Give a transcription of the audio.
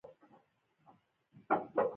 د بلجیم استعماري چارواکو تر وخته دوام وکړ.